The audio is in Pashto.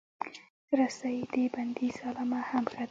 رسۍ د بندیز علامه هم ده.